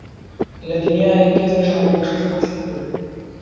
لە دنیایێ کەس نییە ئەوەندەی توو خۆشم بوێ.